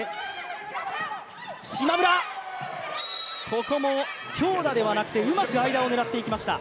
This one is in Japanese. ここも強打ではなくて、うまく間を狙っていきました。